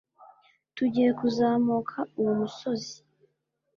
tugiye kuzamuka uwo musozi